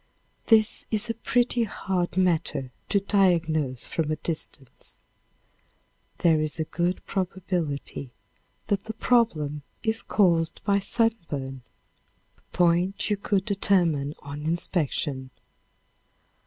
This is a pretty hard matter to diagnose from a distance. There is a good probability that the trouble is caused by sunburn, a point you could determine on inspection.